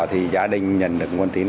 thì gia đình nhận được nguồn tin